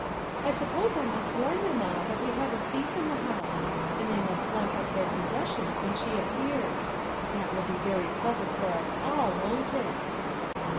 I suppose I must warn them all that we have a thief in the house, and they must lock up their possessions when she ap pears. That will be very pleasant for us all, won't it?"